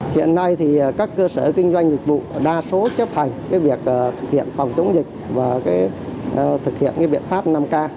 hiện nay thì các cơ sở kinh doanh dịch vụ đa số chấp hành việc thực hiện phòng chống dịch và thực hiện biện pháp năm k